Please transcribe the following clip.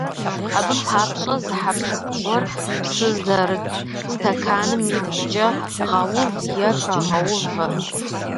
Абы папщӀэ зы хьэпшып гуэр псы зэрыт стэканым ибгъукӀэ гъэув е хэгъэувэ.